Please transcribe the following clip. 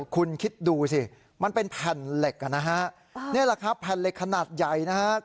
คุณคิดดูสิมันเป็นแผ่นเหล็กนะฮะนี่แหละครับแผ่นเหล็กขนาดใหญ่นะครับ